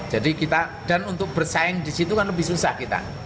jadi kita dan untuk bersaing di situ kan lebih susah kita